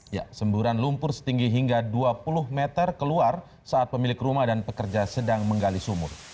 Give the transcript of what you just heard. ya semburan lumpur setinggi hingga dua puluh meter keluar saat pemilik rumah dan pekerja sedang menggali sumur